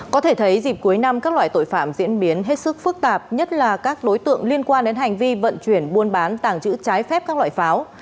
có thể thấy dịp cuối năm các loại tội phạm diễn biến hết sức phức tạp nhất là các đối tượng liên quan đến hành vi vận chuyển buôn bán tàng trữ trái phép các loại pháo